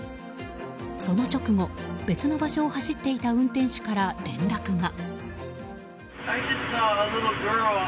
その直後、別の場所を走っていた運転手から連絡が。